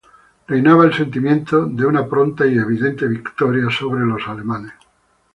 Reinaba el sentimiento de una pronta y evidente victoria sobre los alemanes.